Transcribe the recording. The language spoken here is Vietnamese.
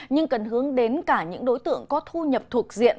nhưng cần hướng đến cả những đối tượng có thu nhập thuộc diện